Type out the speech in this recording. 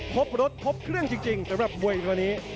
พบรถพบเครื่องจริงแต่แบบเมื่ออีกวันนี้